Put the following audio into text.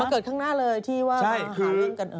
เกิดข้างหน้าเลยที่ว่าหาเรื่องกัน